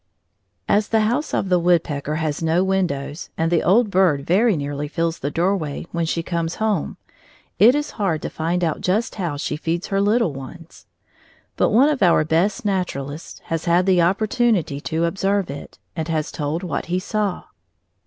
] As the house of the woodpecker has no windows and the old bird very nearly fills the doorway when she comes home, it is hard to find out just how she feeds her little ones. But one of our best naturalists has had the opportunity to observe it, and has told what he saw.